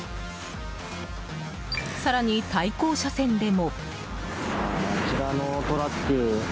更に、対向車線でも。